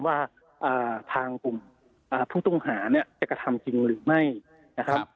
ว่าทางกลุ่มผู้ต้องหาเนี่ยจะกระทำจริงหรือไม่นะครับ